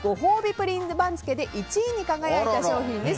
プリン番付で１位に輝いた商品です。